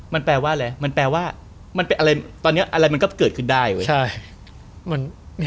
มันแปลว่าอะไรมันแปลว่ามันเป็นอะไรตอนนี้อะไรมันก็เกิดขึ้นได้เว้ย